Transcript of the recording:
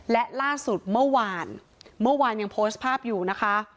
และล่าสุดเมื่อวานเมื่อวานยังโพสต์ภาพอยู่นะคะ